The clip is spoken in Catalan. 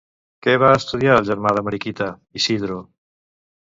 Què va estudiar el germà de Mariquita, Isidro?